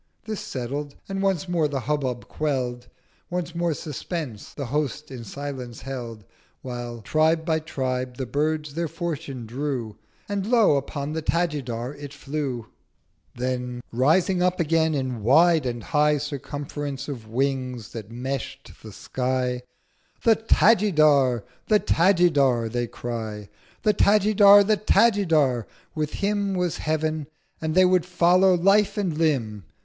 This settled, and once more the Hubbub quell'd, Once more Suspense the Host in Silence held, While, Tribe by Tribe, the Birds their fortune drew; And Lo! upon the Tajidar it flew. 1110 Then rising up again in wide and high Circumference of wings that mesh'd the sky 'The Tajidar! The Tajidar!' they cry— 'The Tajidar! The Tajidar!' with Him Was Heav'n, and They would follow Life and Limb!